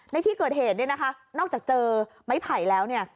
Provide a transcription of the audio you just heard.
ในที่เกิดเหตุเนี่ยนะคะนอกจากเจอไม้ไผ่แล้วเนี่ย